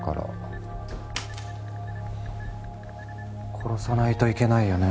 殺さないといけないよね。